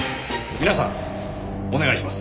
皆さんお願いします。